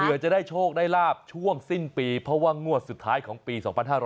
เพื่อจะได้โชคได้ลาบช่วงสิ้นปีเพราะว่างวดสุดท้ายของปี๒๕๖๐